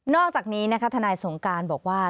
อกจากนี้นะคะทนายสงการบอกว่า